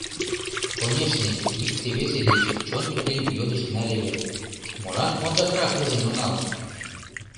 Конешне, икте-весе деч чон пытен йодышт налеве: молан ондакрак ужын онал?